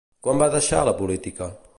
Quan va deixar la política?